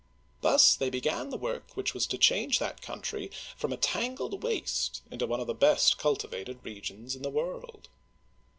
Thus they began the work which was to change that country from a tangled waste into one of the best cultivated regions in the world.